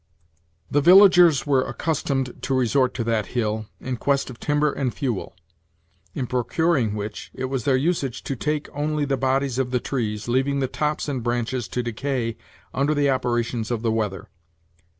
The villagers were accustomed to resort to that hill, in quest of timber and fuel; in procuring which, it was their usage to take only the bodies of the trees, leaving the tops and branches to decay under the operations of the weather.